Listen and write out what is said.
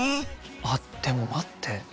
あっでも待って。